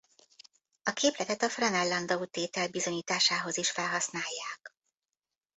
A képletet a Franel-Landau-tétel bizonyításához is felhasználják.